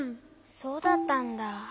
そうだったんだ。